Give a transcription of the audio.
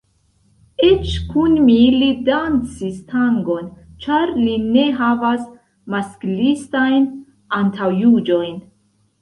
Eĉ kun mi li dancis tangon, ĉar li ne havas masklistajn antaŭjuĝojn.